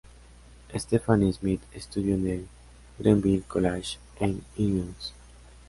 Stephanie Smith estudió en el Greenville College, en Illinois.